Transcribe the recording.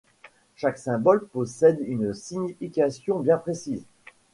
Chaque symbole possède une signification bien précise.